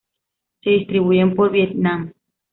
Se distribuyen por Vietnam.